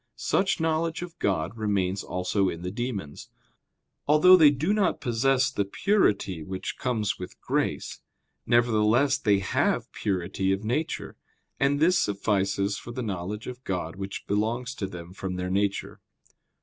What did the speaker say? Such knowledge of God remains also in the demons. Although they do not possess the purity which comes with grace, nevertheless they have purity of nature; and this suffices for the knowledge of God which belongs to them from their nature.